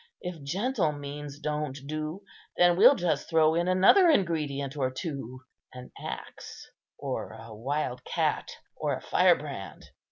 If gentle means don't do, then we'll just throw in another ingredient or two: an axe, or a wild cat, or a firebrand."